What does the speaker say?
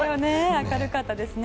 明るかったですね。